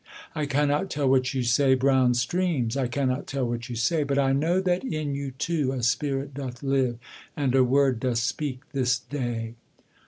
I cannot tell what you say, brown streams, I cannot tell what you say: But I know that in you too a spirit doth live, And a word doth speak this day.